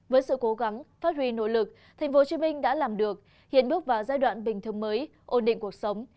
với sự cố gắng phát huy nội lực tp hcm đã làm được hiện bước vào giai đoạn bình thường mới ổn định cuộc sống